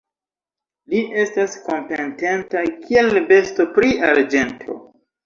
Li estas kompetenta, kiel besto pri arĝento.